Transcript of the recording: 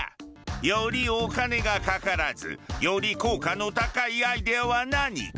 よりお金がかからずより効果の高いアイデアは何か？